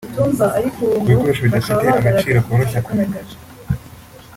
Ku bikoresho bidafite agaciro koroshye kumenya